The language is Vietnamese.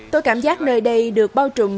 tôi cảm giác nơi đây được bao trùm